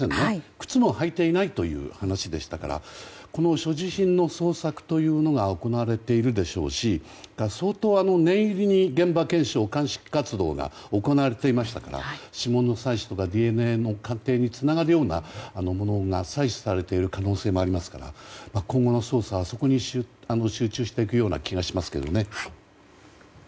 靴も履いていないという話でしたから、所持品の捜索が行われているでしょうしそれから相当念入りに現場検証鑑識活動が行われていましたから指紋の採取とかＤＮＡの鑑定につながるようなものが採取されている可能性もありますから今後の捜査はそこに集中していくような気がしますけどね。